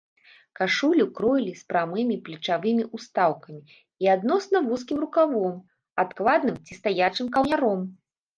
Кашулю кроілі з прамымі плечавымі ўстаўкамі і адносна вузкім рукавом, адкладным ці стаячым каўняром.